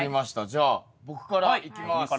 じゃあ僕からいきます。